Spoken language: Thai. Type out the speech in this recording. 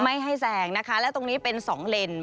ไม่ให้แซงนะคะและตรงนี้เป็นสองเลน